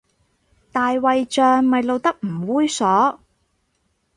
大衛像咪露得唔猥褻